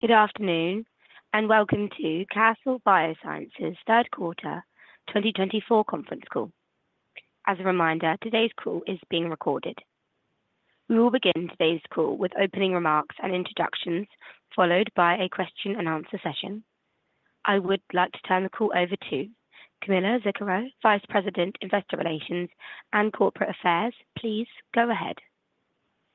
Good afternoon and welcome to Castle Biosciences third quarter 2024 conference call. As a reminder, today's call is being recorded. We will begin today's call with opening remarks and introductions followed by a question and answer session. I would like to turn the call over to Camilla Zuckero, Vice President, Investor Relations and Corporate Affairs. Please go ahead.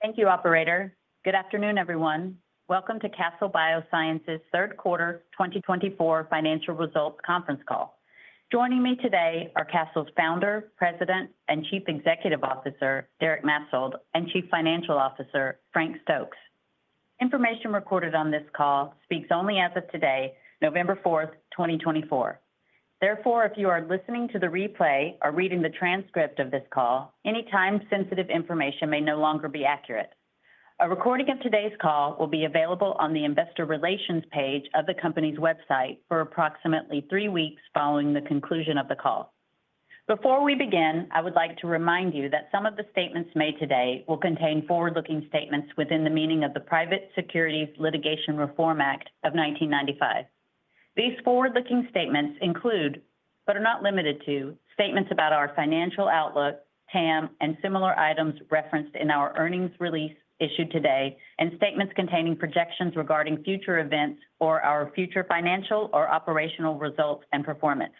Thank you, operator. Good afternoon, everyone. Welcome to Castle Biosciences' Third Quarter 2024 Financial Results Conference Call. Joining me today are Castle's Founder, President and Chief Executive Officer Derek Maetzold and Chief Financial Officer Frank Stokes. Information recorded on this call speaks only as of today, 4th November, 2024. Therefore, if you are listening to the replay or reading the transcript of this call and any time sensitive information may no longer be accurate, a recording of today's call will be available on the Investor Relations page of the Company's website for approximately three weeks following the conclusion of the call. Before we begin, I would like to remind you that some of the statements made today will contain forward looking statements within the meaning of the Private Securities Litigation Reform Act of 1995. These forward-looking statements include, but are not limited to, statements about our financial outlook, TAM and similar items referenced in our earnings release issued today and statements containing projections regarding future events or our future financial or operational results and performance,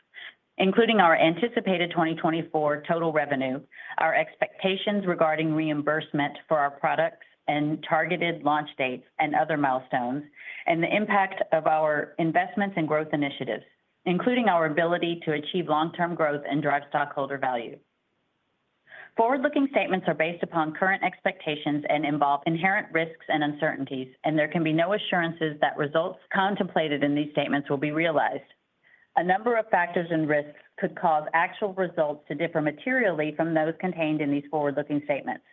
including our anticipated 2024 total revenue, our expectations regarding reimbursement for our products and targeted launch dates and other milestones, and the impact of our investments and growth initiatives, including our ability to achieve long-term growth and drive stockholder value. Forward-looking statements are based upon current expectations and involve inherent risks and uncertainties and there can be no assurances that results contemplated in these statements will be realized. A number of factors and risks could cause actual results to differ materially from those contained in these forward-looking statements.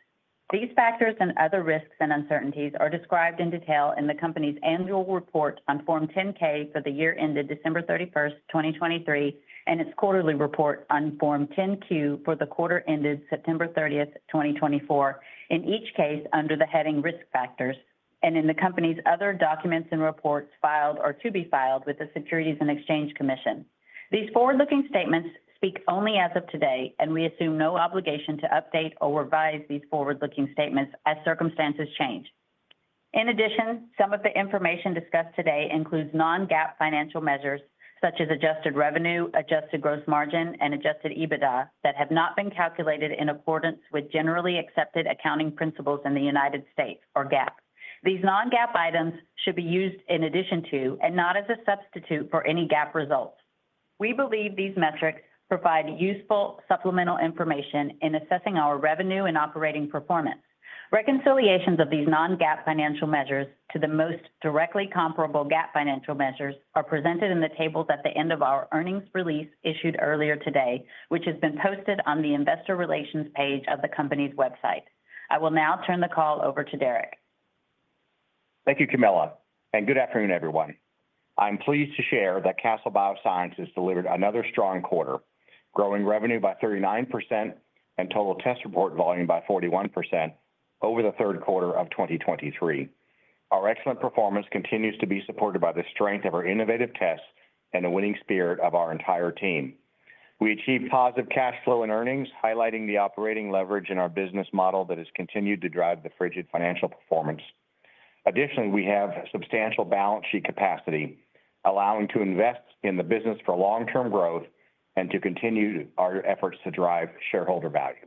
These factors and other risks and uncertainties are described in detail in the Company's Annual Report on Form 10-K for the year ended 31st December, 2023, and its quarterly report on Form 10-Q for the quarter ended 30th September, 2024, in each case under the heading Risk Factors and in the Company's other documents and reports filed or to be filed with the Securities and Exchange Commission. These forward-looking statements speak only as of today, and we assume no obligation to update or revise these forward-looking statements as circumstances change. In addition, some of the information discussed today includes non-GAAP financial measures such as Adjusted Revenue, Adjusted Gross Margin, and Adjusted EBITDA that have not been calculated in accordance with Generally Accepted Accounting Principles in the United States or GAAP. These non-GAAP items should be used in addition to, and not as a substitute for any GAAP results. We believe these metrics provide useful supplemental information in assessing our revenue and operating performance. Reconciliations of these non-GAAP financial measures to the most directly comparable GAAP financial measures are presented in the tables at the end of our earnings release issued earlier today, which has been posted on the Investor Relations page of the Company's website. I will now turn the call over to Derek. Thank you Camilla and good afternoon everyone. I'm pleased to share that Castle Biosciences delivered another strong quarter, growing revenue by 39% and total test report volume by 41% over the third quarter of 2023. Our excellent performance continues to be supported by the strength of our innovative tests and the winning spirit of our entire team. We achieved positive cash flow and earnings, highlighting the operating leverage in our business model that has continued to drive the strong financial performance. Additionally, we have substantial balance sheet capacity allowing to invest in the business for long term growth and to continue our efforts to drive shareholder value.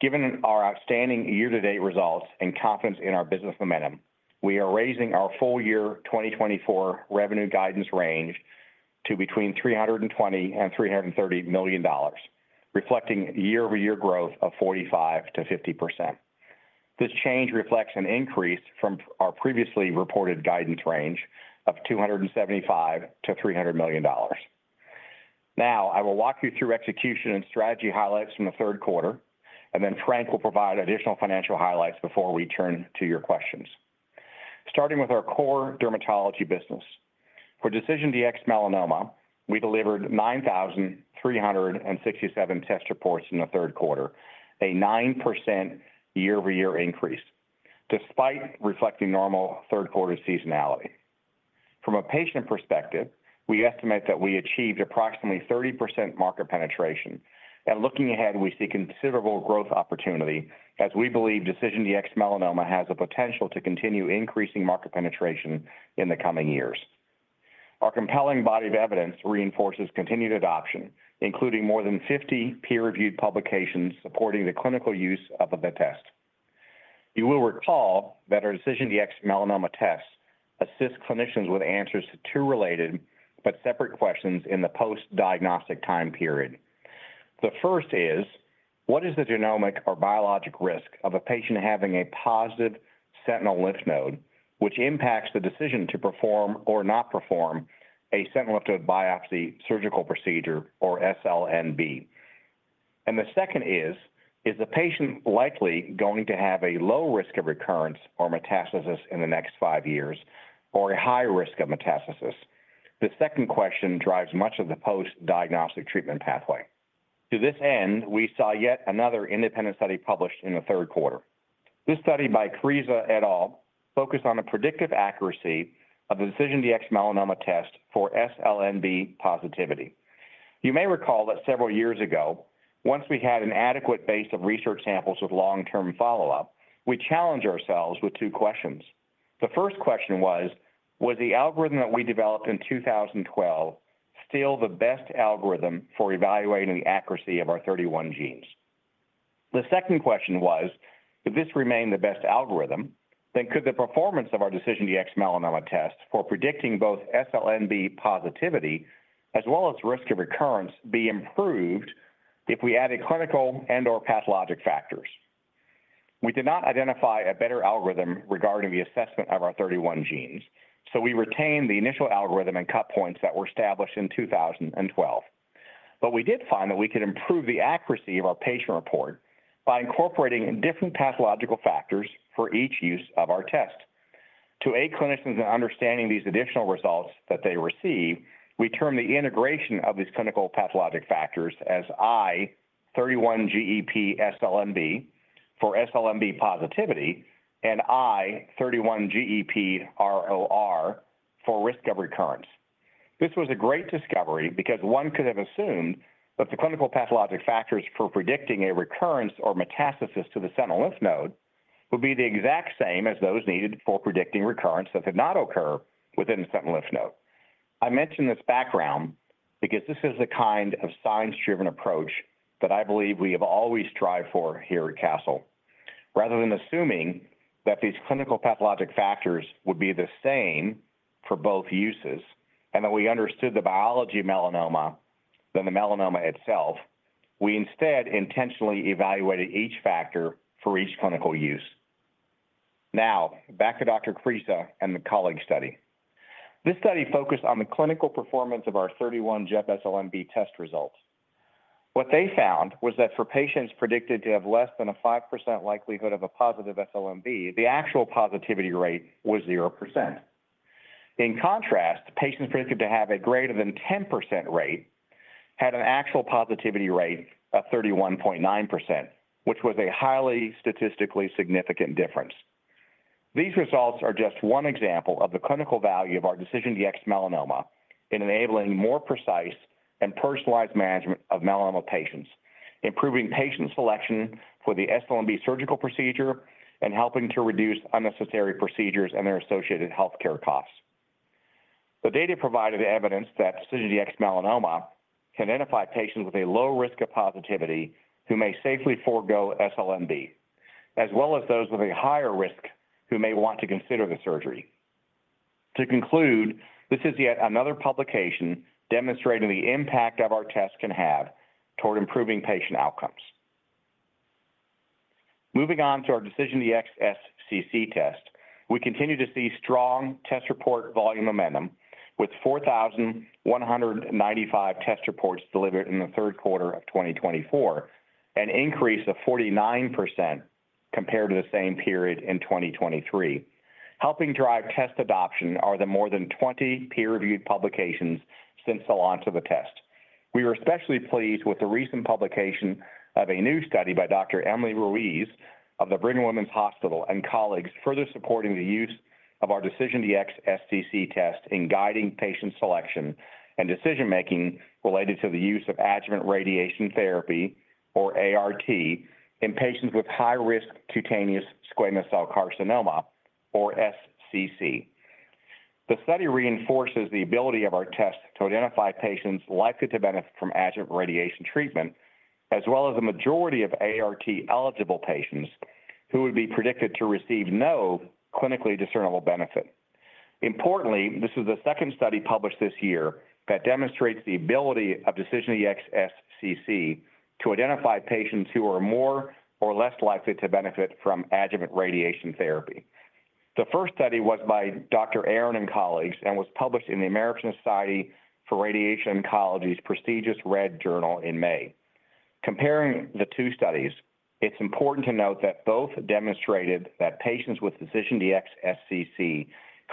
Given our outstanding year to date results and confidence in our business momentum, we are raising our full year 2024 revenue guidance range to between $320-330 million, reflecting year-over-year growth of 45%-50. This change reflects an increase from our previously reported guidance range of $275-300 million. Now I will walk you through execution and strategy highlights from the third quarter and then Frank will provide additional financial highlights before we turn to your questions. Starting with our core dermatology business for DecisionDx-Melanoma, we delivered 9,367 test reports in the third quarter, a 9% year-over-year increase despite reflecting normal third quarter seasonality. From a patient perspective, we estimate that we achieved approximately 30% market penetration and looking ahead, we see considerable growth opportunity as we believe DecisionDx-Melanoma has a potential to continue increasing market penetration in the coming years. Our compelling body of evidence reinforces continued adoption including more than 50 peer-reviewed publications supporting the clinical use of the test. You will recall that our DecisionDx-Melanoma test assists clinicians with answers to 2 related but separate questions in the post diagnostic time period. The first is what is the genomic or biologic risk of a patient having a positive sentinel lymph node which impacts the decision to perform or not perform a sentinel lymph node biopsy surgical procedure or SLNB? And the second is is the patient likely going to have a low risk of recurrence or metastasis in the next 5 years or a high risk of metastasis? The second question drives much of the post diagnostic treatment pathway. To this end we saw yet another independent study published in the third quarter. This study by Krysa et al focused on a predictive accuracy of the DecisionDx-Melanoma test for SLNB positivity. You may recall that several years ago, once we had an adequate base of research samples with long-term follow up, we challenged ourselves with 2 questions. The first question was the algorithm that we developed in 2012 still the best algorithm for evaluating the accuracy of our 31 genes? The second question was if this remained the best algorithm, then could the performance of our DecisionDx-Melanoma test for predicting both SLNB positivity and as well as risk of recurrence be improved if we added clinical and or pathologic factors? We did not identify a better algorithm regarding the assessment of our 31 genes, so we retained the initial algorithm and cut points that were established in 2012. But we did find that we could improve the accuracy of our patient report by incorporating different pathological factors for each use of our test to aid clinicians in understanding these additional results that they receive. We term the integration of these clinical pathologic factors as i31-GEP-SLNB for SLNB positivity and i31-GEP-ROR for risk of recurrence. This was a great discovery because one could have assumed that the clinical pathologic factors for predicting a recurrence or metastasis to the sentinel lymph node will be the exact same as those needed for predicting recurrence that did not occur within the sentinel lymph node. I mentioned this background because this is the kind of science driven approach that I believe we have always strived for here at Castle. Rather than assuming that these clinicopathologic factors would be the same for both uses and that we understood the biology of melanoma as for the melanoma itself, we instead intentionally evaluated each factor for each clinical use. Now back to Dr. Krysa and the colleagues study. This study focused on the clinical performance of our 31-GEP SLNB test results. What they found was that for patients predicted to have less than a 5% likelihood of a positive SLNB, the actual positivity rate was 0%. In contrast, patients predicted to have a greater than 10% rate had an actual positivity rate of 31.9%, which was a highly statistically significant difference. These results are just one example of the clinical value of our DecisionDx-Melanoma in enabling more precise and personalized management of melanoma patients, improving patient selection for the SLNB surgical procedure and helping to reduce unnecessary procedures and their associated healthcare costs. The data provided evidence that DecisionDx-Melanoma can identify patients with a low risk of positivity who may safely forego SLNB as well as those with a higher risk who may want to consider the surgery. To conclude, this is yet another publication demonstrating the impact of our test can have toward improving patient outcomes. Moving on to our DecisionDx-SCC test, we continue to see strong test report volume momentum with 4,195 test reports delivered in the third quarter of 2024, an increase of 49% compared to the same period in 2023. Helping drive test adoption are the more than 20 peer-reviewed publications since the launch of the test. We were especially pleased with the recent publication of a new study by Dr. Emily Ruiz of the Brigham and Women's Hospital and colleagues further supporting the use of our DecisionDx-SCC test in guiding patient selection and decision making related to the use of adjuvant radiation therapy or ART in patients with high risk cutaneous squamous cell carcinoma or SCC. The study reinforces the ability of our test to identify patients likely to benefit from adjuvant radiation treatment as well as the majority of ART eligible patients who would be predicted to receive no clinically discernible benefit. Importantly, this is the second study published this year that demonstrates the ability of DecisionDx-SCC to identify patients who are more or less likely to benefit from adjuvant radiation therapy. The first study was by Dr. Arron and colleagues and was published in the American Society for Radiation Oncology's prestigious Red Journal in May. Comparing the 2 studies, it's important to note that both demonstrated that patients with DecisionDx-SCC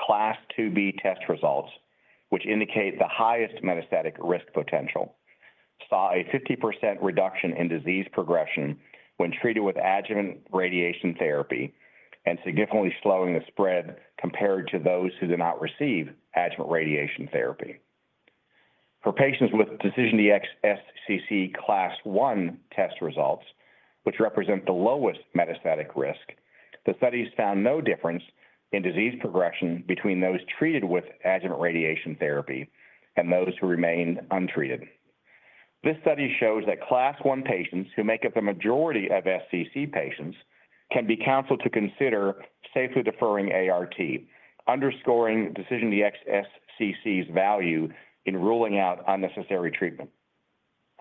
Class 2B test results, which indicate the highest metastatic risk potential, saw a 50% reduction in disease progression when treated with adjuvant radiation therapy and significantly slowing the spread compared to those who did not receive adjuvant radiation therapy. For patients with DecisionDx-SCC Class 1 test results, which represent the lowest metastatic risk, the studies found no difference in disease progression between those treated with adjuvant radiation therapy and those who remained untreated. This study shows that Class 1 patients who make up the majority of SCC patients can be counseled to consider safely deferring ART, underscoring DecisionDx-SCC's value in ruling out unnecessary treatment.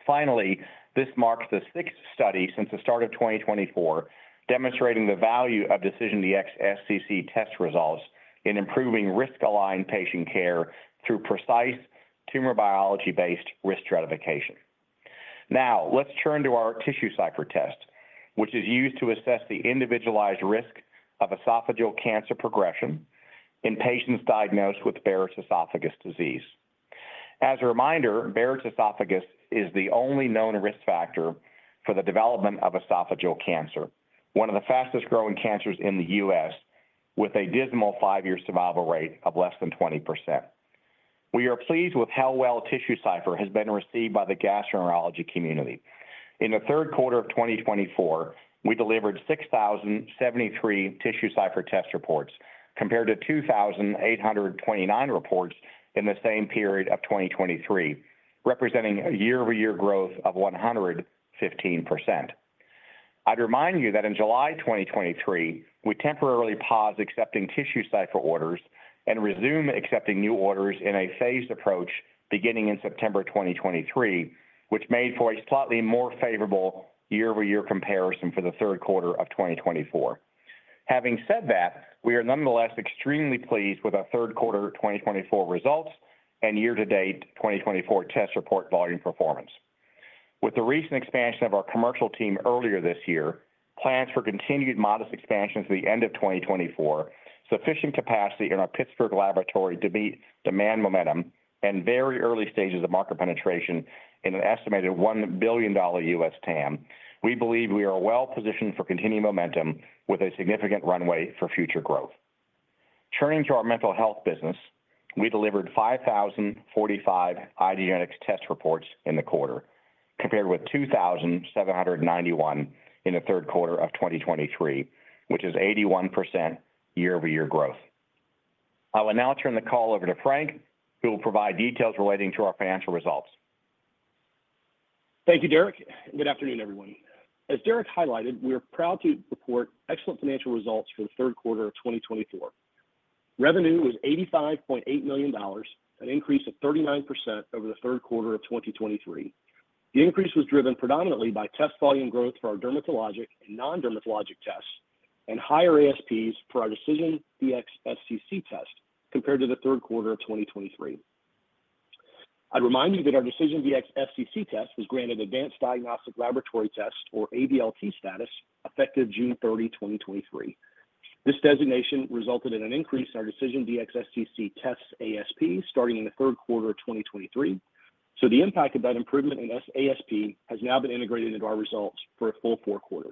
Finally, this marks the 6th study since the start of 2024 demonstrating the value of DecisionDx-SCC test results in improving risk-aligned patient care through precise tumor biology-based risk stratification. Now let's turn to our TissueCypher test which is used to assess the individualized risk of esophageal cancer progression in patients diagnosed with Barrett's esophagus disease. As a reminder, Barrett's esophagus is the only known risk factor for the development of esophageal cancer, one of the fastest growing cancers in the U.S. with a dismal 5-year survival rate of less than 20%. We are pleased with how well TissueCypher has been received by the gastroenterology community. In the third quarter of 2024 we delivered 6,073 TissueCypher test reports compared to 2,829 reports in the same period of 2023 representing a year-over-year growth of 115%. I'd remind you that in July 2023 we temporarily paused accepting TissueCypher orders and resumed accepting new orders in a phased approach beginning in September 2023, which made for a slightly more favorable year-over-year comparison for the third quarter of 2024. Having said that, we are nonetheless extremely pleased with our third quarter 2024 results and year to date 2024 test report volume performance with the recent expansion of our commercial team earlier this year, plans for continued modest expansions at the end of 2024, sufficient capacity in our Pittsburgh laboratory to meet demand momentum, and very early stages of market penetration in an estimated $1 billion U.S. TAM. We believe we are well positioned for continued momentum with a significant runway for future growth. Turning to our mental health business, we delivered 5,045 IDgenetix test reports in the quarter compared with 2,791 in the third quarter of 2023, which is 81% year-over-year growth. I will now turn the call over to Frank who will provide details relating to our financial results. Thank you, Derek. Good afternoon, everyone. As Derek highlighted, we are proud to report excellent financial results for the third quarter of 2024. Revenue was $85.8 million, an increase of 39% over the third quarter of 2023. The increase was driven predominantly by test volume growth for our dermatologic and non-dermatologic tests and higher ASPs for our DecisionDx-SCC test compared to the third quarter of 2023. I'd remind you that our DecisionDx-SCC test was granted Advanced Diagnostic Laboratory Test or ADLT status effective 30 June 2023. This designation resulted in an increase in our DecisionDx-SCC test's ASP starting in the third quarter of 2023, so the impact of that improvement in ASP has now been integrated into our results from full Q4.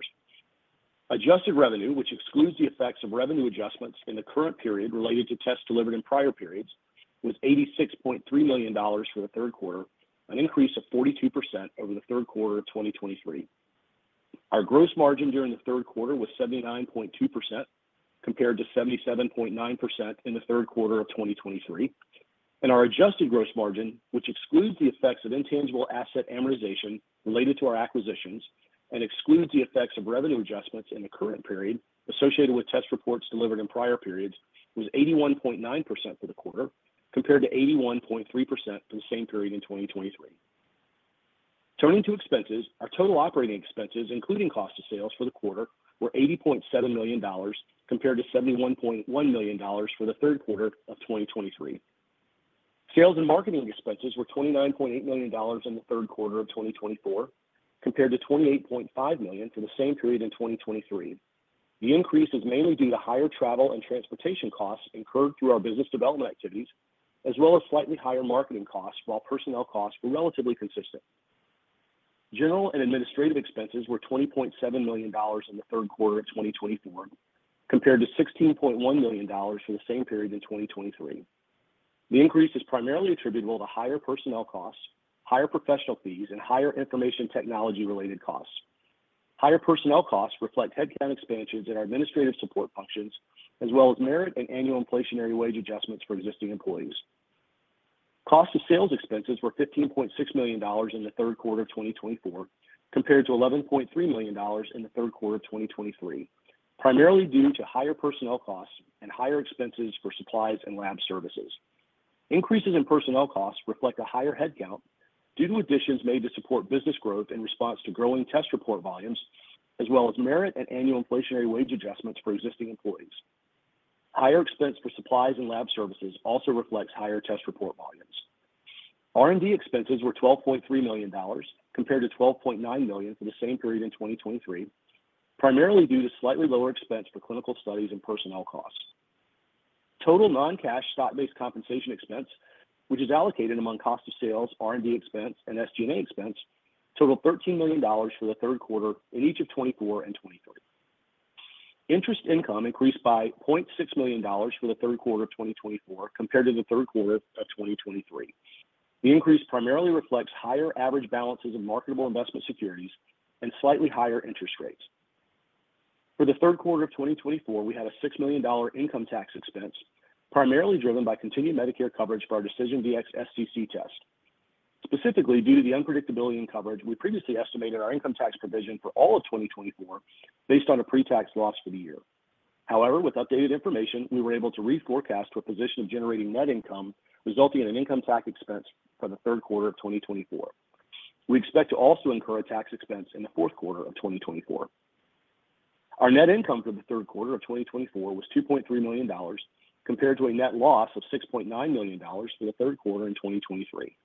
Adjusted Revenue, which excludes the effects of revenue adjustments in the current period related to tests delivered in prior periods, was $86.3 million for the third quarter, an increase of 42% over the third quarter of 2023. Our gross margin during the third quarter was 79.2% compared to 77.9% in the third quarter of 2023, and our adjusted gross margin, which excludes the effects of intangible asset amortization related to our acquisitions and excludes the effects of revenue adjustments in the current period associated with test reports delivered in prior periods, was 81.9% for the quarter compared to 81.3% for the same period in 2023. Turning to expenses, our total operating expenses, including cost of sales for the quarter, were $80.7 million compared to $71.1 million for the third quarter of 2023. Sales and marketing expenses were $29.8 million in the third quarter of 2024 compared to $28.5 million for the same period in 2023. The increase is mainly due to higher travel and transportation costs incurred through our business development activities as well as slightly higher marketing costs, while personnel costs were relatively consistent. General and Administrative expenses were $20.7 million in the third quarter of 2024 compared to $16.1 million for the same period in 2023. The increase is primarily attributable to higher personnel costs, higher professional fees, and higher information technology related costs. Higher personnel costs reflect headcount expansions in our administrative support functions as well as merit and annual inflationary wage adjustments for existing employees. Cost of sales expenses were $15.6 million in the third quarter of 2024 compared to $11.3 million in the third quarter 2023, primarily due to higher personnel costs and higher expenses for supplies and lab services. Increases in personnel costs reflect a higher headcount due to additions made to support business growth in response to growing test report volumes as well as merit and annual inflationary wage adjustments for existing employees. Higher expense for supplies and lab services also reflects higher test report volumes. R and D expenses were $12.3 million compared to $12.9 million for the same period in 2023, primarily due to slightly lower expense for clinical studies and personnel costs. Total non-cash stock-based compensation expense which is allocated among cost of sales, R and D expense and SG&A expense totaled $13 million for the third quarter in each of 2024 and 2023. Interest income increased by $0.6 million for the third quarter of 2024 compared to the third quarter of 2023. The increase primarily reflects higher average balances of marketable investment securities and slightly higher interest rates. For the third quarter of 2024, we had a $6 million income tax expense primarily driven by continued Medicare coverage for our DecisionDx-SCC test. Specifically due to the unpredictability in coverage, we previously estimated our income tax provision for all of 2024 based on a pre-tax loss for the year. However, with updated information we were able to reforecast to a position of generating net income resulting in an income tax expense for the third quarter of 2024. We expect to also incur a tax expense in the fourth quarter of 2024. Our net income for the third quarter of 2024 was $2.3 million compared to a net loss of $6.9 million for the third quarter in 2023.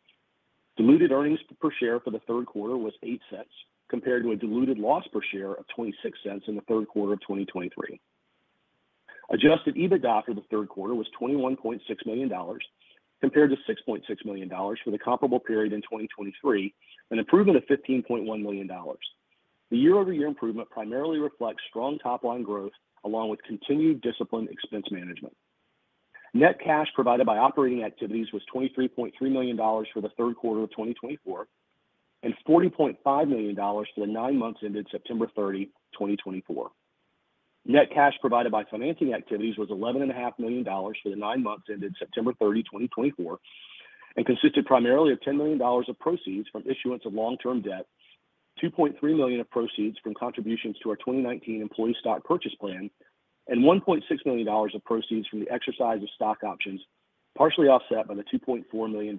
Diluted earnings per share for the third quarter was $0.08 compared to a diluted loss per share of $0.26 in the third quarter of 2023. Adjusted EBITDA for the third quarter was $21.6 million compared to $6.6 million for the comparable period in 2023, an improvement of $15.1 million. The year-over-year improvement primarily reflects strong top-line growth along with continued disciplined expense management. Net cash provided by operating activities was $23.3 million for the third quarter of 2024 and $40.5 million for the 9 months ended September 30, 2024. Net cash provided by financing activities was $11.5 million for the 9 months ended September 30, 2024, primarily of $10 million of proceeds from issuance of long term debt, $2.3 million of proceeds from contributions to our 2019 Employee Stock Purchase Plan and $1.6 million of proceeds from the exercise of stock options, partially offset by the $2.4 million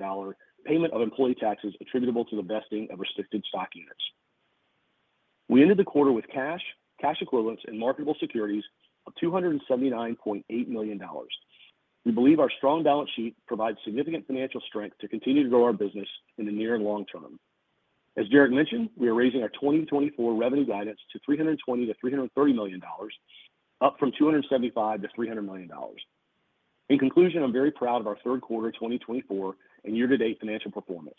payment of employee taxes attributable to the vesting of restricted stock units. We ended the quarter with cash, cash equivalents and marketable securities of $279.8 million. We believe our strong balance sheet provides significant financial strength to continue to grow our business in the near and long term. As Derek mentioned, we are raising our 2024 revenue guidance to $320-330 million, up from $275-300 million. In conclusion, I'm very proud of our third quarter 2024 and year to date financial performance.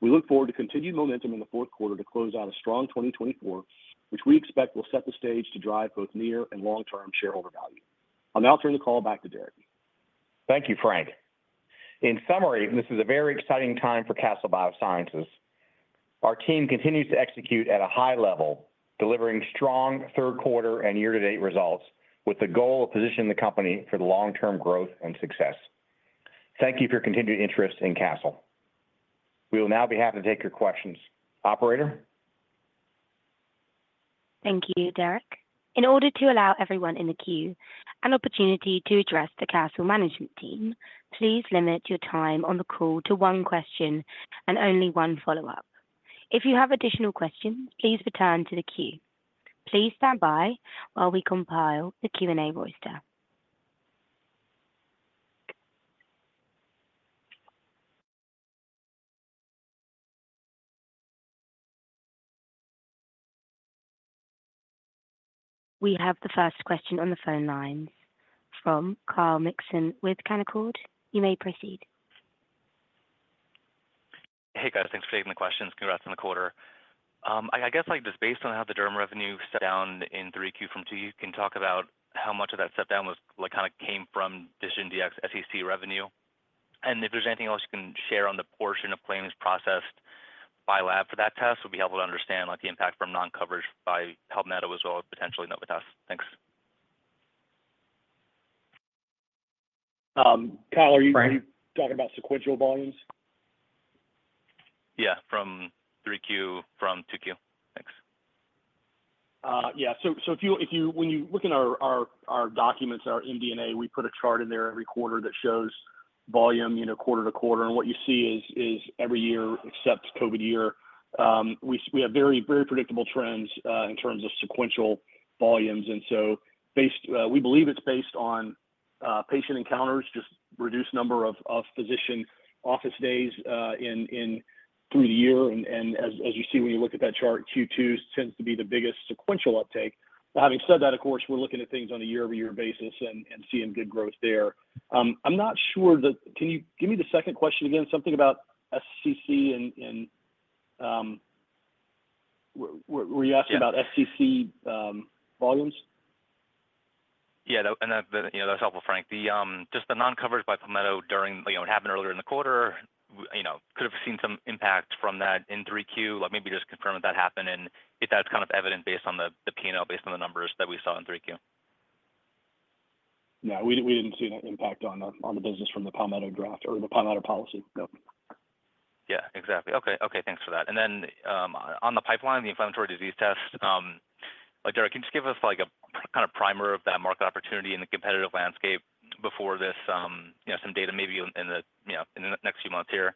We look forward to continued momentum in the fourth quarter to close out a strong 2024, which we expect will set the stage to drive both near and long term shareholder value. I'll now turn the call back to Derek. Thank you, Frank. In summary, this is a very exciting time for Castle Biosciences. Our team continues to execute at a high level, delivering strong third quarter and year to date results with the goal of positioning the company for the long term growth and success. Thank you for your continued interest in Castle. We will now be happy to take your questions. Operator. Thank you, Derek. In order to allow everyone in the queue an opportunity to address the Castle management team, please limit your time on the call to one question and only one follow up. If you have additional questions, please return to the queue. Please stand by while we compile the Q&A royster, we have the first question on the phone lines from Kyle Mikson with Canaccord. You may proceed. Hey guys, thanks for taking the questions. Congrats on the quarter. I guess like just based on how the derm revenue stepped down in 3Q from 2Q you can talk about how much of that step down was like kind of came from DecisionDx-SCC revenue. And if there's anything else you can share on the portion of claims processed by lab for that test would be helpful to understand like the impact from non coverage by Palmetto as well as potentially Novitas. Thanks. Kyle. Are you talking about sequential volumes? Yeah, from 3Q from 2Q. Thanks. Yeah, so when you look in our documents, our MD&A, we put a chart in there every quarter that shows volume, you know, quarter to quarter. And what you see is every year except COVID year we have very very predictable trends in terms of sequential volumes. And so based, we believe it's based on patient encounters just reduced number of physician office days through the year. And as you see when you look at that chart, Q2 tends to be the biggest sequential uptake. Having said that, of course we're looking at things on a year-over-year basis and seeing good growth there. I'm not sure that. Can you give me the second question again? Something about SCC and were you asking about SCC volumes? Yeah, that was helpful, Frank. Just the non-coverage by Palmetto during what happened earlier in the quarter could have seen some impact from that in 3Q. Maybe just confirm that that happened. And if that's kind of evident based on the P&L, based on the numbers that we saw in 3Q. Yeah, we didn't see an impact on the business from the Palmetto draft or the Palmetto policy. Yeah, exactly. Okay. Okay, thanks for that. And then on the pipeline, the inflammatory disease test, Derek, can you just give us like a kind of primer of that market opportunity in the competitive landscape before this, you know, some data maybe in the, you know, in the next few months here?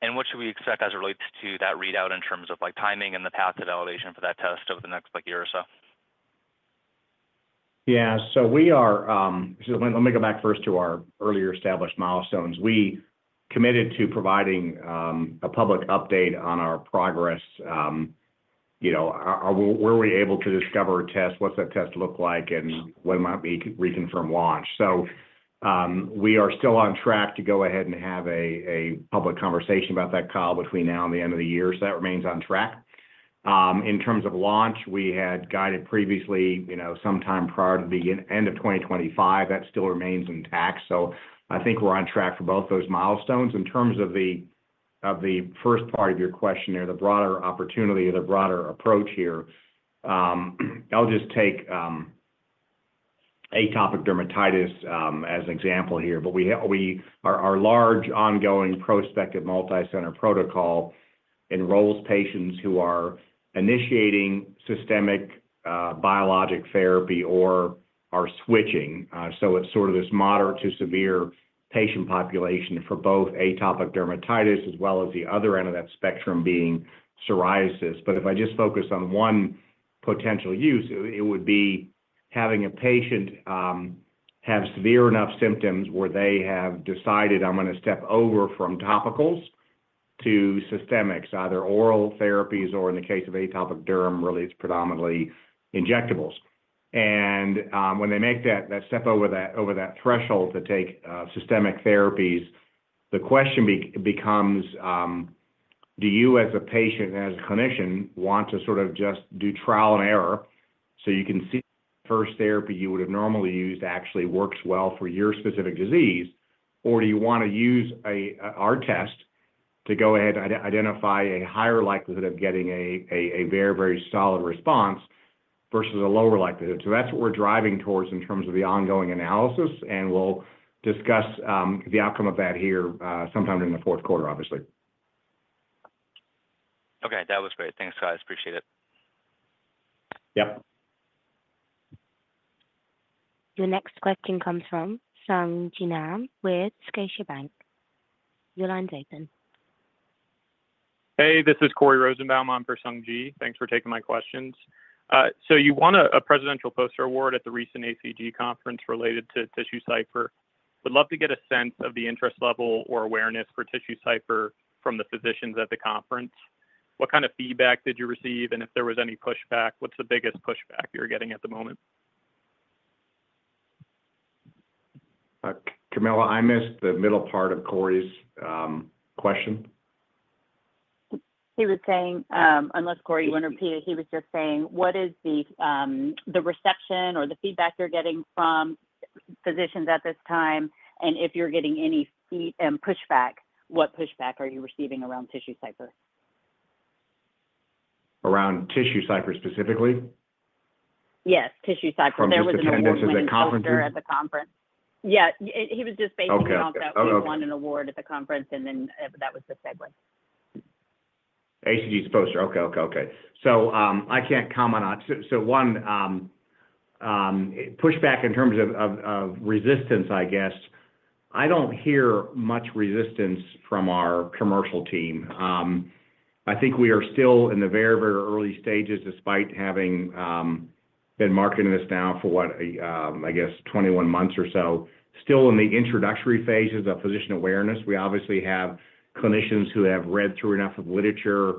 And what should we expect as it relates to that readout in terms of like, timing and the path to validation for that test over the next year or so? Yeah. So we are. Let me go back first to our earlier established milestones. We committed to providing a public update on our progress. You know, were we able to discover a test, what's that test look like, and when might be reconfirmed launch? So we are still on track to go ahead and have a public conversation about that call between now and the end of the year. So that remains on track in terms of launch. We had guided previously, you know, sometime prior to the end of 2025. That still remains intact. So I think we're on track for both those milestones. In terms of the first part of your question there, the broader opportunity or the broader approach here, I'll just take atopic dermatitis as an example here. But our large ongoing, prospective, multi center protocol enrolls patients who are initiating systemic biologic therapy or are switching. So it's sort of this moderate to severe patient population for both atopic dermatitis as well as the other end of that spectrum being psoriasis. But if I just focus on one potential use, it would be having a patient have severe enough symptoms where they have decided, I'm going to step over from topicals to systemics, either oral therapies or in the case of atopic derm, really it's predominantly injectables. And when they make that step over that threshold to take systemic therapies, the question becomes, do you as a patient, as a clinician, want to sort of just do trial and error? You can see first therapy you. Would have normally used actually works well for your specific disease. Or do you want to use our test to go ahead and identify a higher likelihood of getting a very, very solid response versus a lower likelihood? So that's what we're driving towards in terms of the ongoing analysis. And we'll discuss the outcome of that here sometime during the fourth quarter, obviously. Okay, that was great. Thanks, guys. Appreciate it. Yep. Your next question comes from Sung Ji Nam with Scotiabank. Your line's open. Hey, this is Corey Rosenbaum. I'm for Sung Ji. Thanks for taking my questions. So you won a presidential poster award at the recent ACG conference related to TissueCypher. Would love to get a sense of the interest level or awareness for TissueCypher from the physicians at the conference. What kind of feedback did you receive and if there was any pushback? What's the biggest pushback you're getting at the moment. Camilla? I missed the middle part of Corey's question. He was saying unless Corey wouldn't repeat it. He was just saying, "What is the reception or the feedback you're getting from physicians at this time? And if you're getting any pushback, what pushback are you receiving around TissueCypher? Around TissueCypher specifically? Yes, TissueCypher. There was an attendance at the conference. At the conference. Yeah, he was just based out. He won an award at the conference and then that was the segue. ACG is a poster. Okay, okay, okay. So, I can't comment on. So, one pushback in terms of resistance, I guess I don't hear much resistance. From our commercial team. I think we are still in the very, very early stages despite having been marketing this now for what I guess 21 months or so. Still in the introductory phases of physician awareness, we obviously have clinicians who have read through enough of literature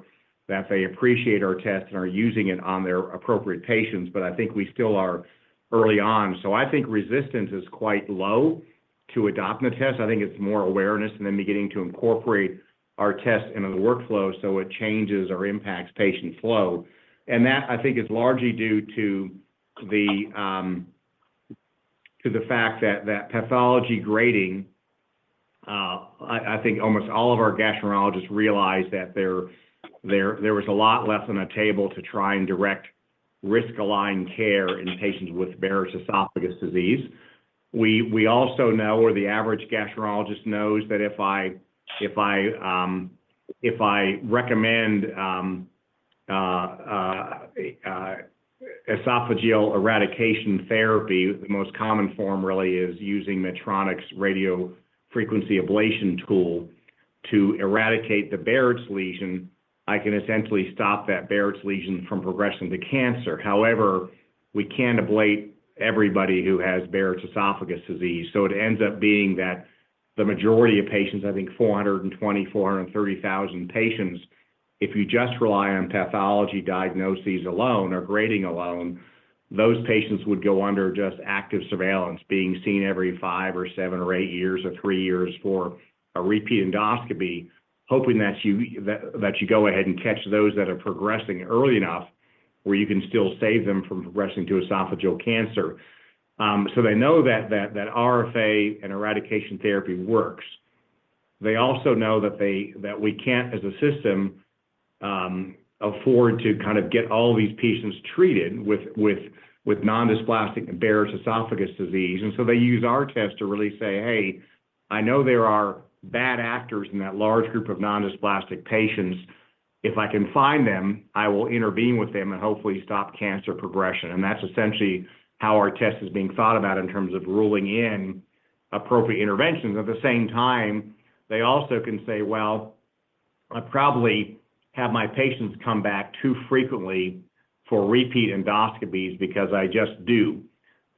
that they appreciate our test and are using it. On their appropriate patients. But I think we still are early on. So I think resistance is quite low. To adopt the test. I think it's more awareness and then beginning to incorporate our tests into the workflow. It changes or impacts patient flow. That I think is largely due to the fact that pathology grading. I think almost all of our gastroenterologists realize that there was a lot less on the table to try and direct risk aligned care in patients with Barrett's esophagus disease. We also know, or the average gastroenterologist knows, that if I recommend esophageal eradication therapy, the most common form really is using Medtronic's radiofrequency ablation tool to eradicate the Barrett's lesion. I can essentially stop that Barrett's lesion from progressing to cancer. However, we can't ablate everybody who has Barrett's esophagus disease. So it ends up being that the majority of patients, I think 420,000-430,000 patients, if you just rely on pathology diagnoses alone or grading alone, those patients would go under just active surveillance, being seen every 5 or 7 or 8 years or 3 years for a repeat endoscopy, hoping that you go ahead and catch those that are progressing early enough where you can still save them from progressing to esophageal cancer, so they know that RFA and eradication therapy works. They also know that we can't as a system afford to kind of get all these patients treated with non-dysplastic Barrett's esophagus disease, and so they use our test to really say, hey, I know there are bad actors in that large group of non-dysplastic patients. If I can find them, I will intervene with them and hopefully stop cancer progression. And that's essentially how our test is being thought about in terms of ruling in appropriate interventions. At the same time, they also can say, well, I probably have my patients come back too frequently for repeat endoscopies, because I just do.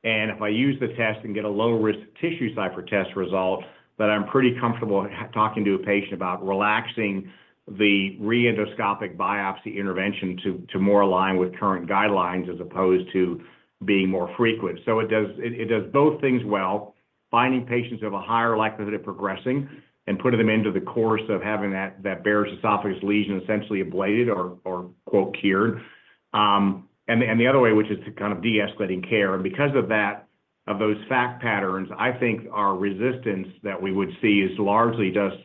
And if I use the test and get a low risk TissueCypher test result, that I'm pretty comfortable talking to a patient about relaxing the repeat endoscopic biopsy intervention to more align with current guidelines as opposed to being more frequent. So it does both things well, finding patients who have a higher likelihood of progressing and putting them into the course of having that Barrett's esophagus lesion essentially ablated or cured. And the other way, which is to kind of de-escalating care. Because of that, of those fact patterns, I think our resistance that we would see is largely just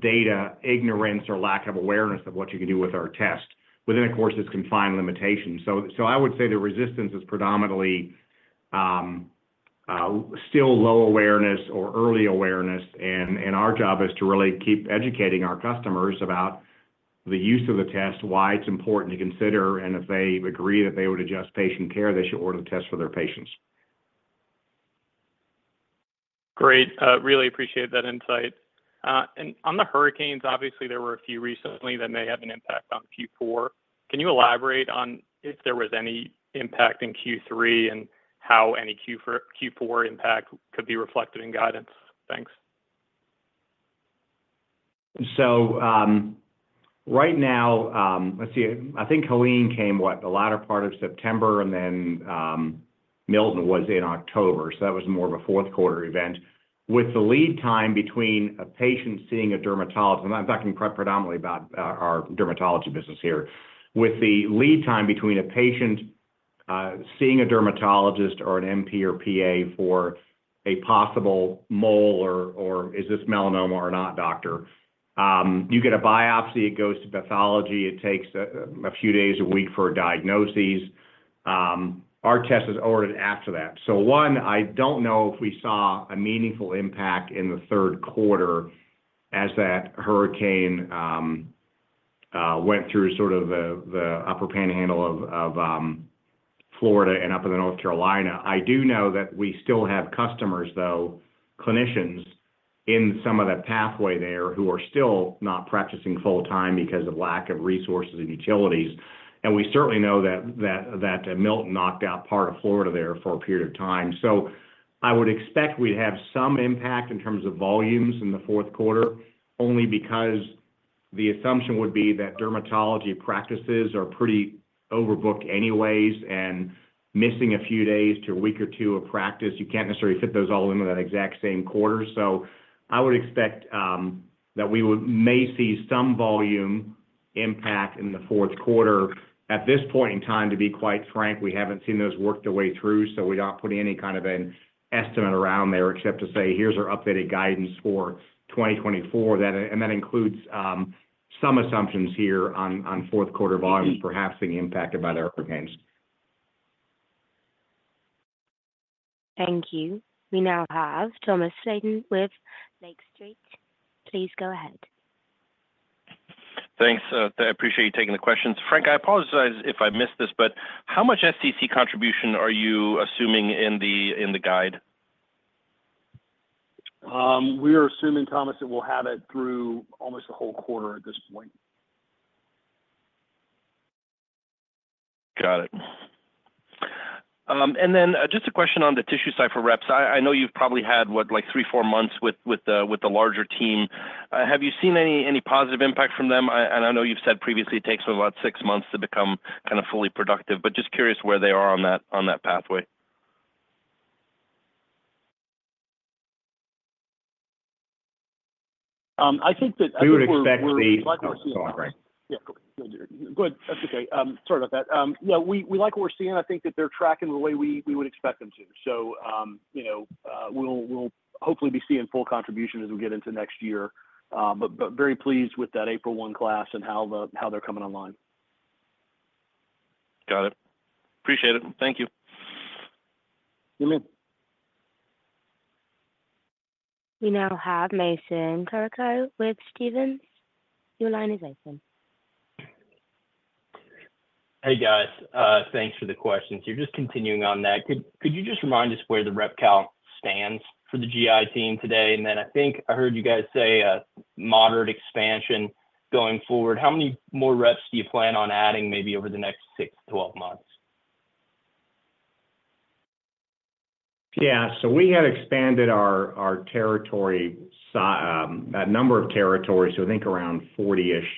data ignorance or lack of awareness of what you can do with our test within, of course, its defined limitations. I would say the resistance is predominantly still low awareness or early awareness. Our job is to really keep educating our customers about the use of the test, why it's important to consider, and if they agree that they would adjust patient care, they should order the test for their patients. Great. Really appreciate that insight and on the hurricanes, obviously there were a few recently that may have an impact on Q4. Can you elaborate on if there was? Any impact in Q3 and how any Q4 impact could be reflected in guidance? Thanks. So right now, let's see, I think Helene came what, the latter part of September and then Milton was in October. So that was more of a fourth quarter event with the lead time between a patient seeing a dermatologist and I'm talking predominantly about our dermatology business here with the lead time between a patient seeing a dermatologist or an NP or PA for a possible mole or is this melanoma or not, doctor. You get a biopsy, it goes to pathology. It takes a few days a week for diagnosis. Our test is ordered after that. So one, I don't know if we saw a meaningful impact in the third quarter as that hurricane went through sort of the upper panhandle of Florida and up in North Carolina. I do know that we still have customers, though clinicians in some of the pathway there who are still not practicing full time because of lack of resources and utilities, and we certainly know that Milton knocked out part of Florida there for a period of time, so I would expect we'd have some impact in terms of volumes in the fourth quarter only because the assumption would be that dermatology practices are pretty overbooked anyways and missing a few days to a week or 2 of practice. You can't necessarily fit those all into that exact same quarter, so I would expect that we may see some volume impact in the fourth quarter at this point in time. To be quite frank, we haven't seen those work their way through. We're not putting any kind of an estimate around there except to say here's our updated guidance for 2024, and that includes some assumptions here on fourth quarter volumes perhaps being impacted by the hurricanes. Thank you. We now have Thomas Flaten with Lake Street. Please go ahead. Thanks. I appreciate you taking the questions, Frank. I apologize if I missed this, but how much SCC contribution are you assuming in the guide? We are assuming, Thomas, that we'll have it through almost the whole quarter at this point. Got it. Then just a question on the TissueCypher reps. I know you've probably had what, like three, four months with the larger team. Have you seen any positive impact from them? And I know you've said previously it takes them about 6 months to become kind of fully productive. But just curious where they are on that pathway. I think that we would expect the. Good. That's okay. Sorry about that. No, we, we like what we're seeing. I think that they're tracking the way we, we would expect them to. So, you know, we'll, we'll hopefully be seeing full contribution as we get into next year, but, but very pleased with that April 1st class and how they're coming online. Got it. Appreciate it. Thank you. We now have Mason Carrico with Stephens. Your line is open. Hey guys, thanks for the questions. You're just continuing on that. Could you just remind us where the rep count stands for the GI team today? And then I think I heard you guys say a moderate expansion going forward. How many more reps do you plan on adding? Maybe over the next 6-12 months? Yeah, so we had expanded our territory, that number of territories. So I think around 40-ish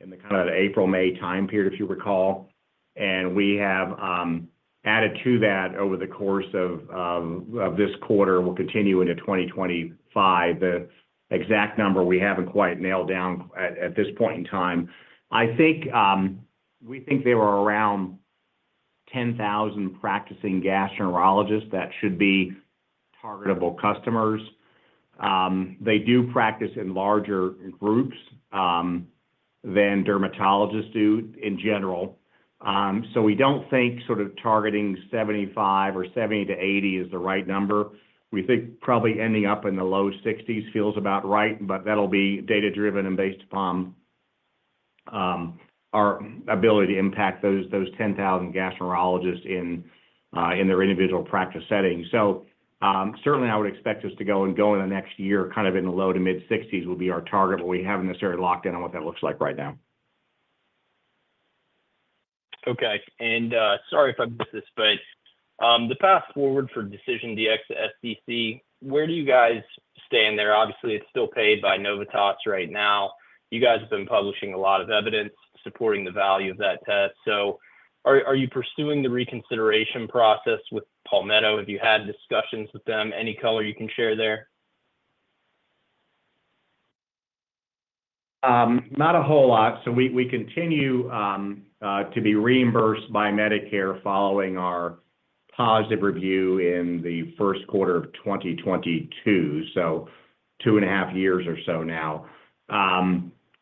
in the kind of April, May time period, if you recall. And we have added to that over the course of this quarter will continue into 2020. The exact number we haven't quite nailed down at this point in time. I think we think there were around. 10,000 practicing gastroenterologists that should be targetable customers. They do practice in larger groups than dermatologists do in general. So we don't think sort of targeting 75 or 70 to 80 is the right number. We think probably ending up in the low 60s feels about right, but that'll be data driven and based upon. Our. Ability to impact those 10,000 gastroenterologists in their individual practice settings. So certainly I would expect us to go and go in the next year, kind of in the low to mid-60s will be our target. But we haven't necessarily locked in on what that looks like right now. Okay, and sorry if I missed this, but the path forward for DecisionDx-SCC. Where do you guys stand there? Obviously it's still paid by Novitas right now, you guys have been publishing a lot of evidence supporting the value of that test. So are you pursuing the reconsideration process with Palmetto? Have you had discussions with them? Any color you can share there? Not a whole lot. So we continue to be reimbursed by Medicare following our positive review in the first quarter of 2022. So 21/2 years or so now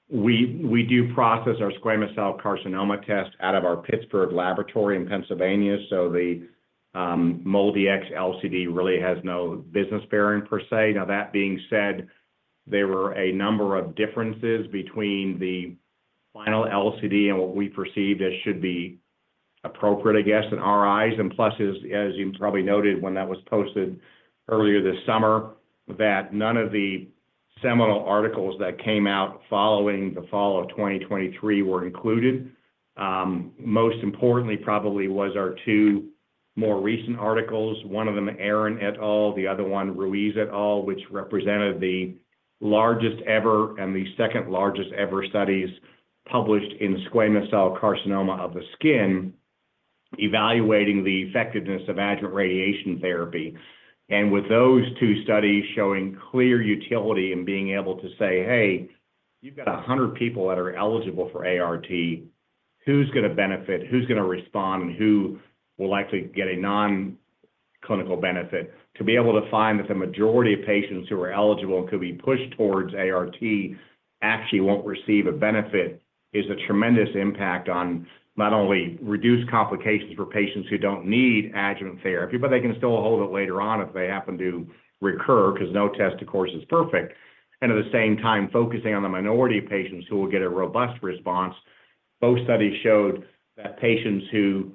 we do process our squamous cell carcinoma test out of our Pittsburgh laboratory in Pennsylvania. So the MolDX LCD really has no business bearing per se. Now, that being said, there were a number of differences between the final LCD and what we perceived as should be appropriate, I guess, in our eyes. And plus, as you probably noted when that was posted earlier this summer, that none of the seminal articles that came out following the fall of 2023 were included. Most importantly probably was our 2 more recent articles, one of them Arron et al, the other one Ruiz et al. Which represented the largest ever and the second largest ever studies published in squamous cell carcinoma of the skin evaluating the effectiveness of adjuvant radiation therapy. With those 2 studies showing clear utility in being able to say, hey, you've got 100 people that are eligible for ART, who's going to benefit, who's going to respond and who will likely get a non-clinical benefit. To be able to find that the majority of patients who are eligible and could be pushed towards ART actually won't receive a benefit is a tremendous impact on not only reduced complications for patients who don't need adjuvant therapy, but they can still hold it later on if they happen to recur because no test of course is perfect. At the same time focusing on. The minority of patients who will get a robust response. Both studies showed that patients who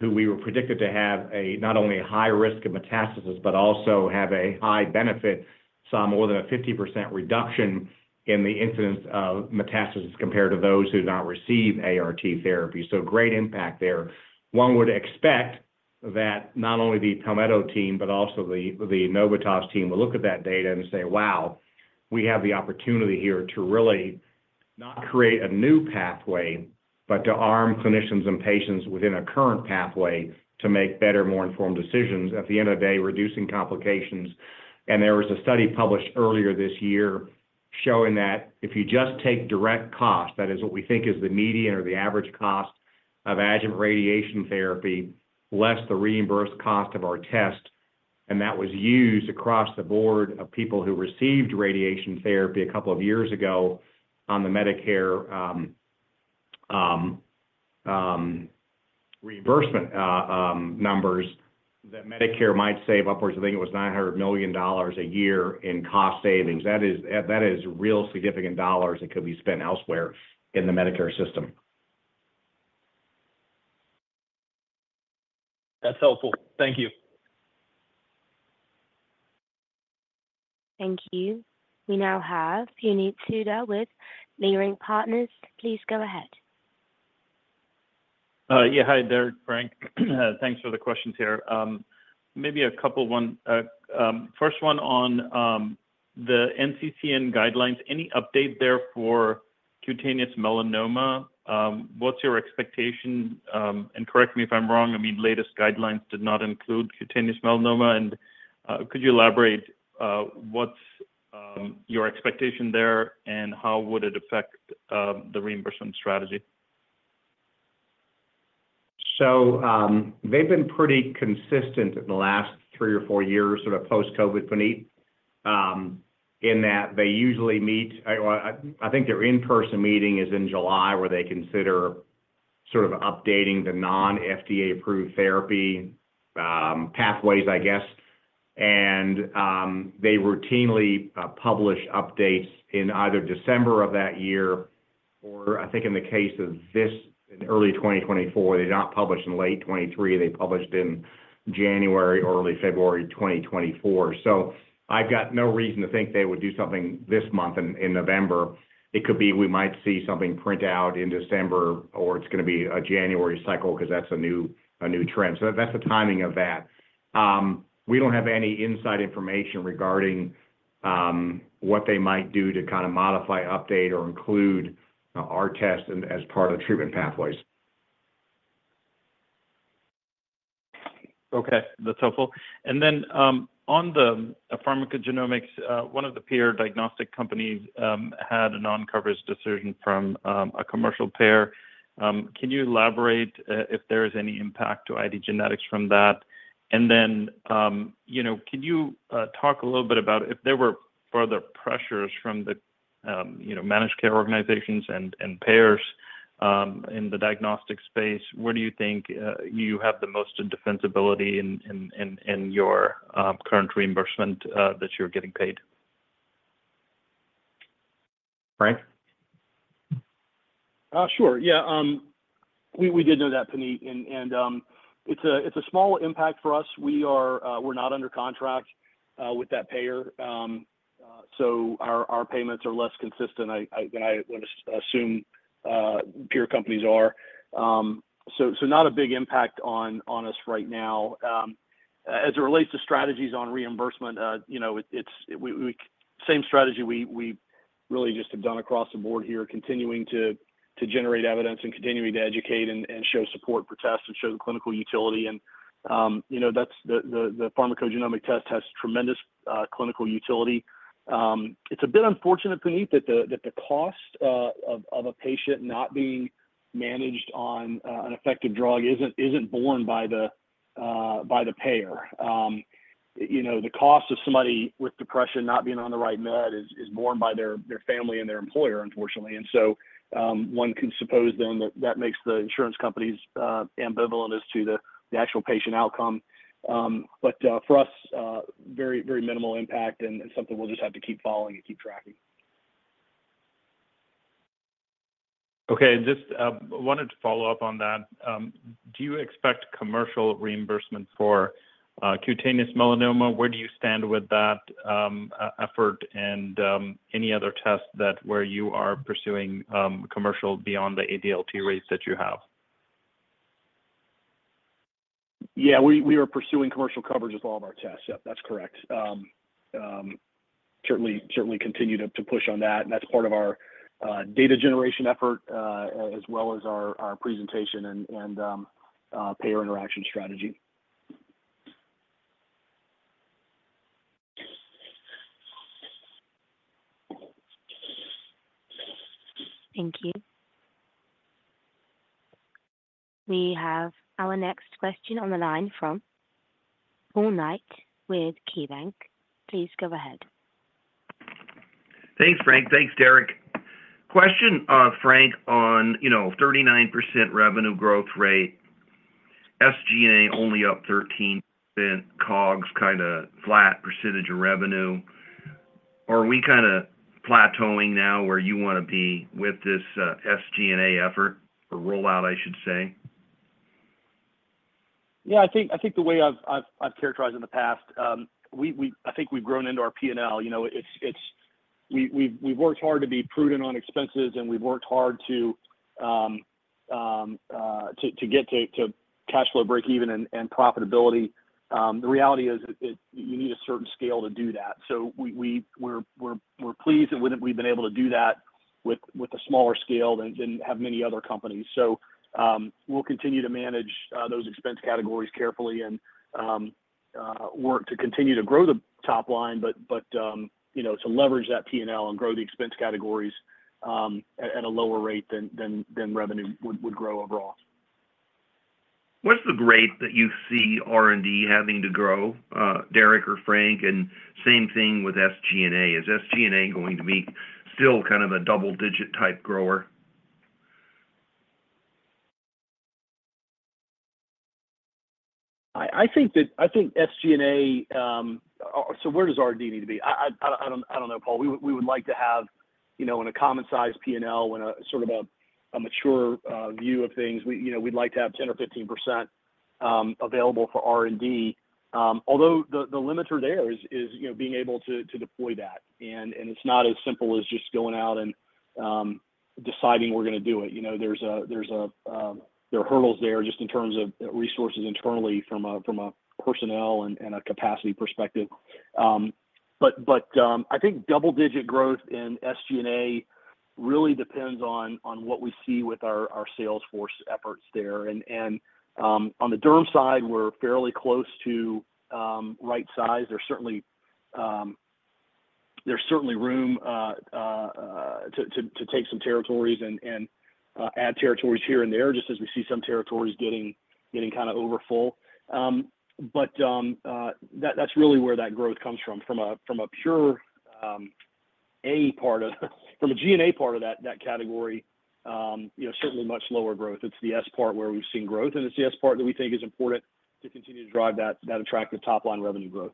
we were predicted to have not only high risk of metastasis but also have a high benefit saw more than a 50% reduction in the incidence of metastasis compared to those who do not receive ART therapy. So great impact there. One would expect that not only the Palmetto team but also the Novitas team will look at that data and say, wow, we have the opportunity here to really not create a new pathway, but to arm clinicians and patients within a current pathway to make better, more informed decisions at the end of the day reducing complications. And there was a study published earlier this year showing that if you just take direct cost, that is what we think is the median or the average cost of adjuvant radiation therapy, less the reimbursed cost of our test. And that was used across the board of people who received radiation therapy a couple of years ago on the Medicare reimbursement numbers that Medicare might save upwards. I think it was $900 million a year in cost savings. That is real significant dollars that could be spent elsewhere in the Medicare system. That's helpful, thank you. Thank you. We now have Puneet Souda with Leerink Partners. Please go ahead. Yeah, hi there, Frank. Thanks for the questions here. Maybe a couple one first one on the NCCN guidelines. Any update there for cutaneous melanoma? What's your expectation? And correct me if I'm wrong. I mean, latest guidelines did not include cutaneous melanoma. And could you elaborate what's your expectation there and how would it affect the reimbursement strategy? So they've been pretty consistent in the last three or four years sort of post-COVID, Puneet, in that they usually meet. I think their in-person meeting is in July where they consider sort of updating the non-FDA-approved therapy pathways I guess. And they routinely publish updates in either December of that year or I think in the case of this in early 2024. They did not publish in late 2023, they published in January, early February 2024. So I've got no reason to think they would do something this month in November. It could be, we might see something print out in December or it's going to be a January cycle because that's a new trend. So that's the timing of that. We don't have any inside information regarding what they might do to kind of modify, update or include our test as part of the treatment pathways. Okay, that's helpful. And then on the pharmacogenomics, one of the peer diagnostic companies had a non-coverage decision from a commercial payer. Can you elaborate if there is any impact to IDgenetix from that? And then you know, can you talk a little bit about if there were further pressures from the, you know, managed care organizations and payers in the diagnostic space? Where do you think you have the most defensibility in your current reimbursement that? You're getting paid. Frank? Sure. Yeah, we did know that, Puneet. And it's a small impact for us. We are, we're not under contract with that payer so our payments are less consistent than I would assume peer companies are. So not a big impact on us right now as it relates to strategies on reimbursement. You know, it's same strategy we really just have done across the board here. Continuing to generate evidence and continuing to educate and show support for tests and show the clinical utility and you know, that's the pharmacogenomic test has tremendous clinical utility. It's a bit unfortunate, Puneet, that the cost of a patient not being managed on an effective drug isn't borne by the, by the payer. You know, the cost of somebody with depression not being on the right med is borne by their family and their employer, unfortunately. And so one can suppose then that makes the insurance companies ambivalent as to the actual patient outcome, but for us, very, very minimal impact and something we'll just have to keep following and keep tracking. Okay, just wanted to follow up on that. Do you expect commercial reimbursement for cutaneous melanoma? Where do you stand with that effort and any other tests where you are pursuing commercial beyond the ADLT rates that you have? Yeah, we are pursuing commercial coverage with all of our tests. That's correct. Certainly, certainly continue to push on that. That's part of our data generation effort as well as our presentation and payer interaction strategy. Thank you. We have our next question on the line from Paul Knight with KeyBanc. Please go ahead. Thanks, Frank. Thanks, Derek. Question, Frank, on, you know, 39% revenue growth rate. SGA only up 13%. COGS kind of flat percentage of revenue. Are we kind of plateauing now where you want to be with this SGA effort or rollout, I should say. Yeah, I think the way I've characterized in the past, I think we've grown into our P&L. You know, we've worked hard to be prudent on expenses and we've worked hard to get to cash flow, break even and profitability. The reality is you need a certain scale to do that. So we're pleased that we've been able to do that with a smaller scale than have many other companies. So we'll continue to manage those expense categories carefully and work to continue to grow the top line. But to leverage that P&L and grow the expense categories at a lower rate than revenue would grow overall. What's the rate that you see R and D having to grow? Derek or Frank? And same thing with SG&A. Is SG&A going to be still kind of a double-digit type grower? I think SGA. So where does R&D need to be? I don't know, Paul. We would like to have in a common size P&L when we sort of have a mature view of things. We'd like to have 10% or 15% available for R&D, although the limiter there is being able to deploy that. And it's not as simple as just going out and deciding we're going to do it. There are hurdles there just in terms of resources internally from a personnel and a capacity perspective. But I think double-digit growth in SGA really depends on what we see with our sales force efforts there. And on the derm side, we're fairly close to right size. There's certainly room to take some territories and add territories here and there just as we see some territories getting kind of overfull. But that's really where that growth comes from. Our pure GI part of, from a GI and a part of that category, you know, certainly much lower growth. It's the S part where we've seen growth and it's the S part that we think is important to continue to drive that attractive top line revenue growth.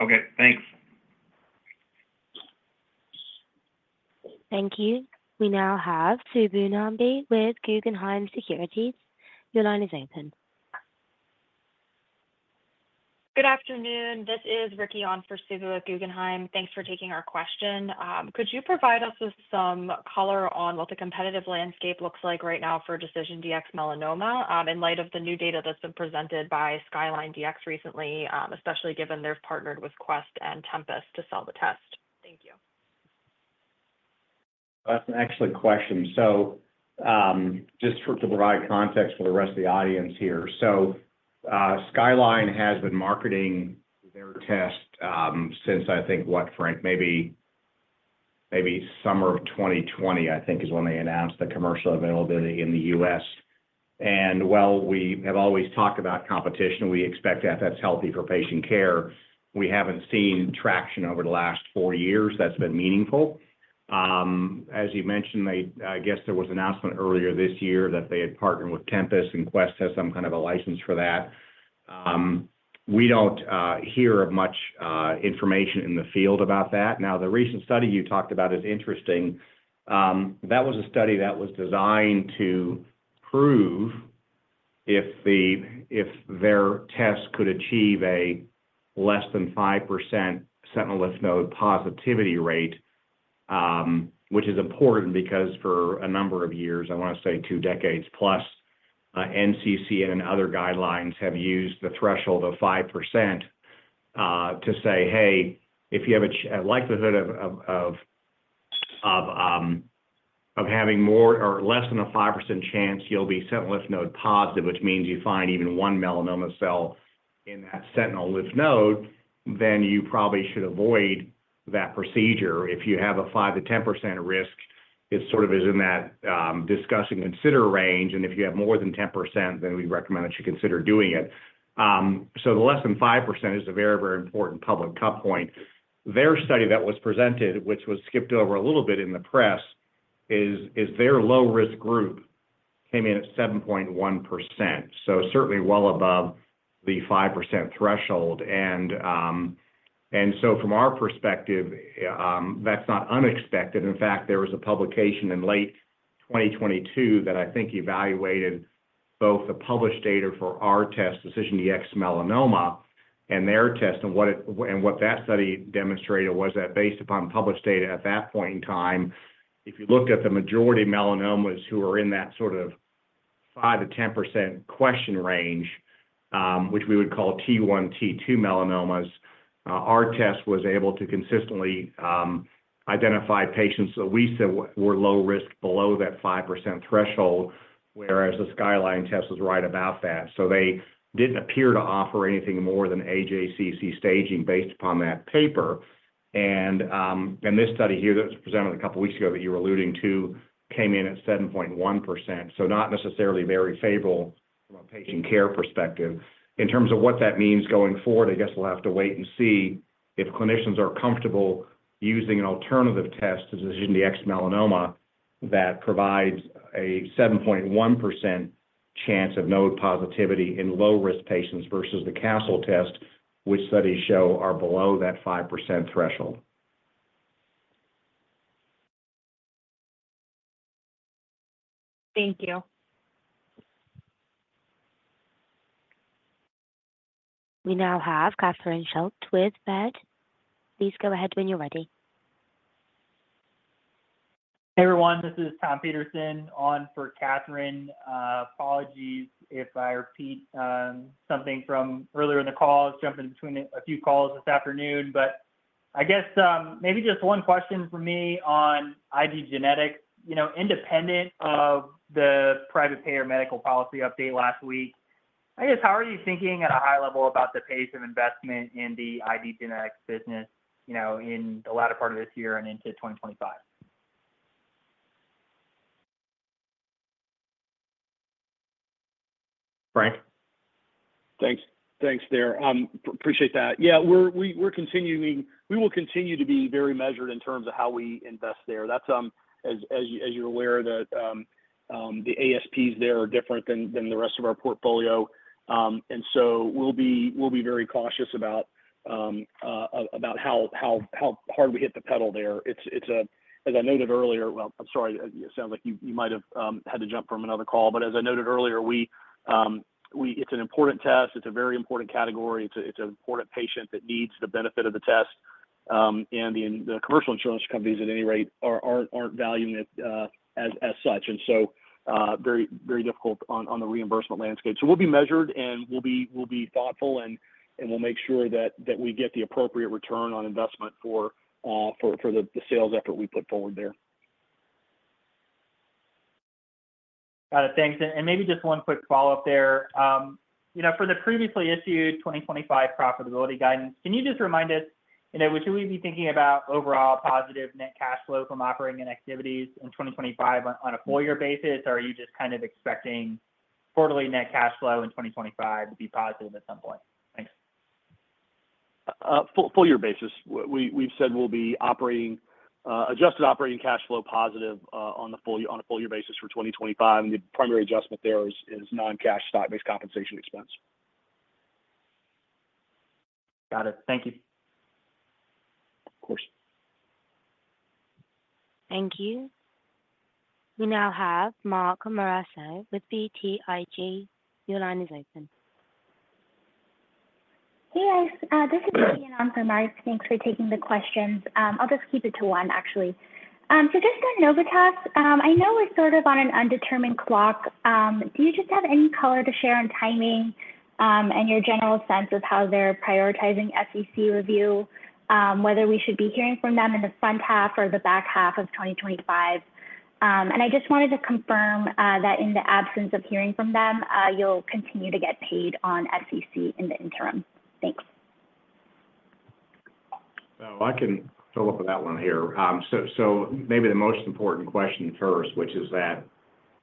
Okay, thanks. Thank you. We now have Subbu Nambi with Guggenheim Securities. Your line is open. Good afternoon, this is Ricky on for Subbu Guggenheim. Thanks for taking our question. Could you provide us with some color? On what the competitive landscape looks like right now for DecisionDx-Melanoma in light of the new data that's been presented by SkylineDx recently, especially given they've partnered with Quest and Tempus to sell the test? Thank you. That's an excellent question. So just to provide context for the rest of the audience here. So SkylineDx has been marketing their test since, I think, what, Frank, maybe summer of 2020, I think, is when they announced the commercial availability in the U.S. and while we have always talked about competition, we expect that that's healthy for patient care. We haven't seen traction over the last four years. That's been meaningful, as you mentioned, I guess there was an announcement earlier this year that they had partnered with Tempus and Quest has some kind of a license for that. We don't hear of much information in the field about that. Now, the recent study you talked about is interesting. That was a study that was designed to prove if their tests could achieve a less than 5% sentinel lymph node positivity rate. Which is important because for a number of years, I want to say 2 decades plus, NCCN and other guidelines have used the threshold of 5% to say, hey, if you have a likelihood of having more or less than a 5% chance you'll be sentinel lymph node positive, which means you find even one melanoma cell in that sentinel lymph node, then you probably should avoid that procedure. If you have a 5%-10 risk, it sort of is in that discuss and consider range. And if you have more than 10%, then we recommend that you consider doing it. So the less than 5% is a. Very, very important public cut point. Their study that was presented, which was skipped over a little bit in the press, is their low risk group came in at 7.1%, so certainly well above the 5% threshold. And so from our perspective, that's not unexpected. In fact, there was a publication in late 2022 that I think evaluated both the published data for our test DecisionDx-Melanoma and their test. And what it and what that study demonstrated was that based upon published data at that point in time, if you looked at the majority melanomas who are in that sort of 5%-10 question range, which we would call T1, T2 melanomas, our test was able to consistently identified patients that we said were low risk below that 5% threshold, whereas the SkylineDx test was right about that. So they didn't appear to offer anything more than AJCC staging based upon that paper. This study here that was presented a couple weeks ago that you were alluding to came in at 7.1%. Not necessarily very favorable from a patient care perspective in terms of what that means going forward. I guess we'll have to wait and see. If clinicians are comfortable using an alternative test to DecisionDx-Melanoma that provides a 7.1% chance of node positivity in low risk patients versus the Castle test, which studies show are below that 5% threshold. Thank you. We now have Catherine Schulte with Baird. Please go ahead when you're ready. Hey everyone, this is Tom Peterson on for Catherine Schulte. Apologies if I repeat something from earlier in the call. Jumping between a few calls this afternoon, but I guess maybe just one question for me on IDgenetix, you know, independent of the private payer medical policy update last week, I guess, how are you thinking at a high level about the pace of investment in the IDgenetix business, you know, in the latter part of this year and into 2025? Frank? Thanks. Thanks there. Appreciate that. Yeah, we're continuing, we will continue to be very measured in terms of how we invest there. That's as you're aware that the ASPs there are different than the rest of our portfolio and so we'll be very cautious about how hard we hit the pedal there. It's as I noted earlier. Well, I'm sorry, it sounds like you might have had to jump from another call, but as I noted earlier, it's an important test. It's a very important category. It's an important patient that needs the benefit of the test and the commercial insurance companies at any rate aren't valuing it as such and so very, very difficult on the reimbursement landscape. So we'll be measured and we'll be thoughtful and we'll make sure that we get the appropriate return on investment for the sales effort we put forward there. Got it, thanks. And maybe just one quick follow up there for the previously issued 2025 profitability guidance. Can you just remind us, should we be thinking about overall positive net cash flow from operating and activities in 2025 on a full year basis? Are you just kind of expecting quarterly net cash flow in 2025 to be? Positive at some point? Thanks. Full-year basis, we've said we'll be operating adjusted operating cash flow positive on the full year on a full-year basis for 2025, and the primary adjustment there is non-cash stock-based compensation expenses. Got it. Thank you. Of course. Thank you. We now have Mark Massaro with BTIG. Your line is open. Hey guys, this is. Thanks for taking the questions. I'll just keep it to one actually. So just on Novitas, I know we're sort of on an undetermined clock. Do you just have any color to share on timing and your general sense of how they're prioritizing SEC review, whether we should be hearing from them in the front half or the back half of 2025? And I just wanted to confirm that in the absence of hearing from them, you'll continue to get paid on SEC in the interim. Thanks. I can fill up that one here. So maybe the most important question first, which is that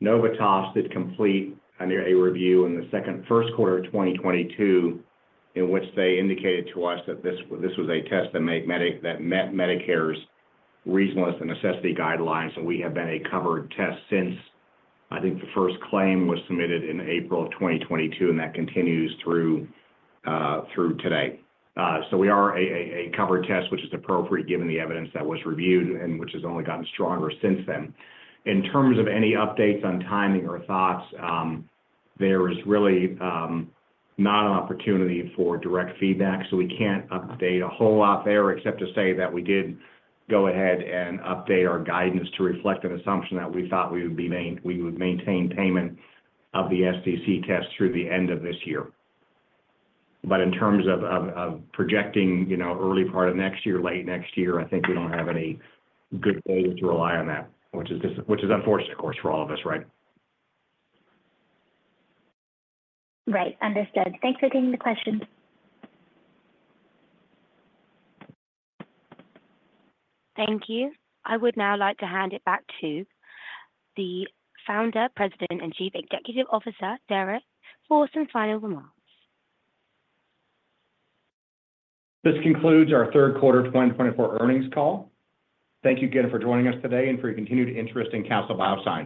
Novitas did complete a review in the first quarter of 2022 in which they indicated to us that this was a test that met Medicare's reasonableness and necessity guidelines. And we have been a covered test since. I think the first claim was submitted in April of 2022 and that continues through today. So we are a covered test, which is appropriate given the evidence that was reviewed and which has only gotten stronger since then. In terms of any updates on timing or thoughts, there is really not an opportunity for direct feedback. So we can't update a whole lot there. Except to say that we did go ahead and update our guidance to reflect an assumption that we thought we would maintain payment of the SCC test through the end of this year, but in terms of projecting, you know, early part of next year, late next. Year, I think we don't have any. Good to rely on that, which is unfortunate, of course, for all of us. Right. Right. Understood. Thanks for taking the question. Thank you. I would now like to hand it back to the founder, president and Chief Executive Officer Derek for some final remark. This concludes our third quarter 2024 earnings call. Thank you again for joining us today. For your continued interest in Castle Biosciences.